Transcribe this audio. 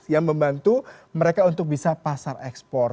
yang membantu mereka untuk bisa pasar ekspor